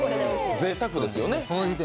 ぜいたくですよね。